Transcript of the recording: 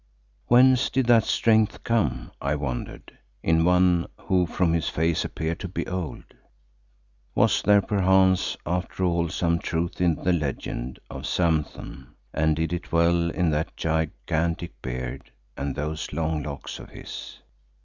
Whence did that strength come, I wondered, in one who from his face appeared to be old? Was there perchance, after all, some truth in the legend of Samson and did it dwell in that gigantic beard and those long locks of his?